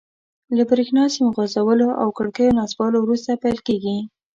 له بریښنا سیم غځولو او کړکیو نصبولو وروسته پیل کیږي.